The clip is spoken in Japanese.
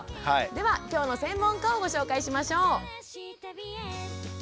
では今日の専門家をご紹介しましょう。